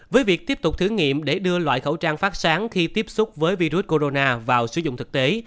với việc tiếp tục thử nghiệm để đưa loại khẩu trang phát sáng khi tiếp xúc với virus corona vào sử dụng thực tế